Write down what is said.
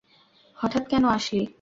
হঠাৎ কেন আসলি?